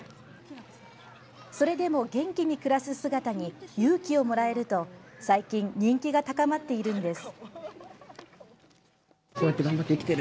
それでも、元気に暮らす姿に勇気をもらえると最近、人気が高まっているんです。